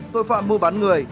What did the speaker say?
tội phạm mua bán người